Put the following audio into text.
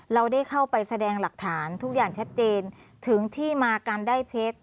เราได้เข้าไปแสดงหลักฐานทุกอย่างชัดเจนถึงที่มาการได้เพชร